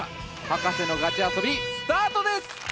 ハカセのガチ遊びスタートです！